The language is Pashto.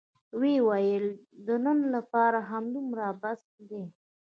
ويې ويل د نن دپاره همدومره بس دى.